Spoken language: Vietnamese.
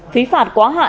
phí phạt quá hạn